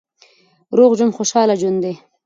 روغ ژوند خوشاله ژوند دی.